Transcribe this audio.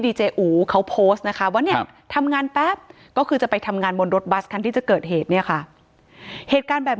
เจอูเขาโพสต์นะคะว่าเนี่ยทำงานแป๊บก็คือจะไปทำงานบนรถบัสคันที่จะเกิดเหตุเนี่ยค่ะเหตุการณ์แบบ